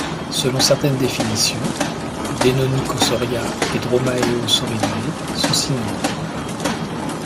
Selon certaines définitions, Deinonychosauria et Dromaeosauridae sont synonymes.